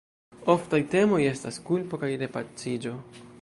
Oftaj temoj estas kulpo kaj repaciĝo.